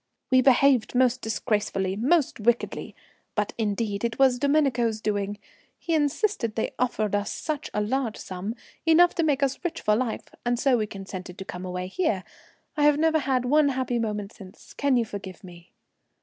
'We behaved most disgracefully, most wickedly, but indeed it was Domenico's doing. He insisted they offered us such a large sum, enough to make us rich for life, and so we consented to come away here. I have never had one happy moment since. Can you forgive me?'